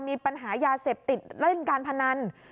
มีปัญหายาเสบติดแล้วก็ยังการพนัน